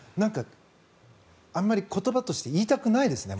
あまり言葉として言いたくないですね。